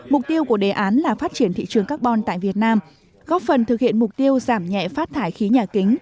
mục tiêu của đề án là phát triển thị trường carbon tại việt nam góp phần thực hiện mục tiêu giảm nhẹ phát thải khí nhà kính